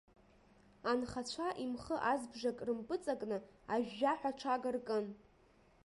Анхацәа имхы азбжак рымпыҵакны ажәжәаҳәа аҽага ркын.